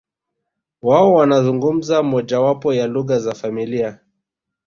Wao wanazungumza mojawapo ya lugha za familia